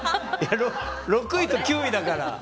６位と９位だから。